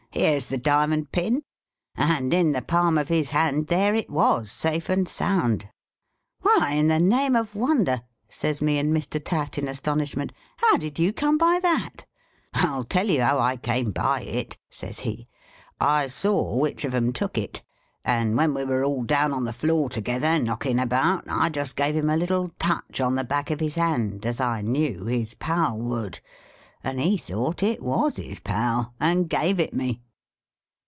' Here 's the diamond pin !' and in the palm of his hand there it was, safe and sound !' Why, in the name of wonder,' says me and Mr. Tatt, in astonishment, ' how did you come * Three months' imprisonment as reputed thieves. by that 1 '' I '11 tell you how I come by it,' says he. ' I saw which of 'em took it ; and when we were all down on the floor together, knocking about, I just gave him a little touch on the back of his hand, as I knew his pal would ; and he thought it WAS his pal ; and gave it me